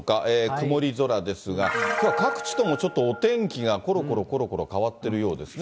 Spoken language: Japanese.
曇り空ですが、きょうは各地ともちょっと、お天気がころころころころ変わってるようですね。